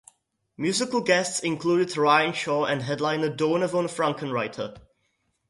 Musical guests included Ryan Shaw and headliner Donavon Frankenreiter.